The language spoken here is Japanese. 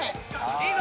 いいぞ！